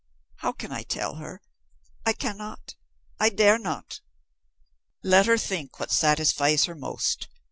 How can I tell her? I cannot I dare not." "Let her think what satisfies her most.